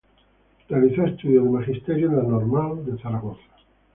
Realizó estudios de Magisterio en la Normal de Zaragoza.